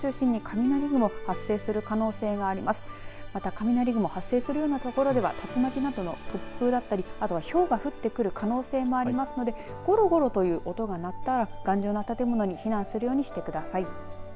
雷雲が発生するような所では竜巻などの突風だったりあとは、ひょうが降ってくる可能性もありますのでごろごろという音が鳴ったら頑丈な建物に避難するようにしてください。